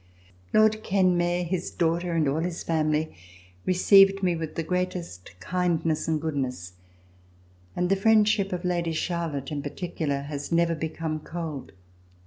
Lord Kenmare, his daughter and all his family received me with the greatest kindness and goodness, and the friendship of Lady Charlotte in particular has never become cold.